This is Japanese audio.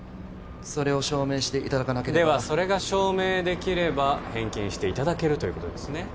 それを証明していただかなければではそれが証明できれば返金していただけるということですね